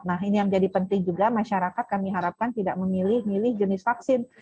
nah ini yang menjadi penting juga masyarakat kami harapkan tidak memilih milih jenis vaksin